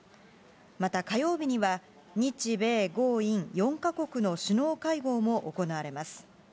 また火曜日には、日米豪印４か国の首脳会合も行われます。